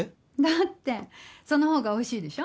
だってその方がおいしいでしょ。